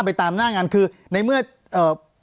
ปากกับภาคภูมิ